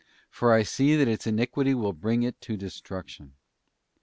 For I see that its iniquity will bring it to destruction."